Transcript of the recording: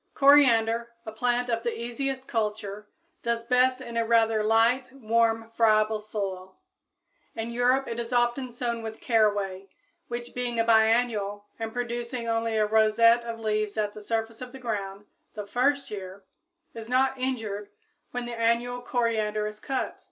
_ Coriander, a plant of the easiest culture, does best in a rather light, warm, friable soil. In Europe it is often sown with caraway, which, being a biennial and producing only a rosette of leaves at the surface of the ground the first year, is not injured when the annual coriander is cut.